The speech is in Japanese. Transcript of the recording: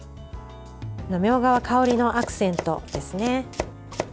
みょうがは香りのアクセントですね。